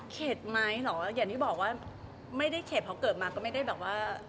เห็นหมายหรอเห็นที่บอกว่าไม่ได้เข็ดเพราะเกิดมาก็ไม่ได้ว่า